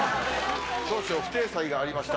少々不体裁がありました。